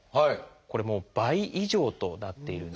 これもう倍以上となっているんです。